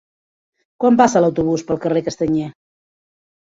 Quan passa l'autobús pel carrer Castanyer?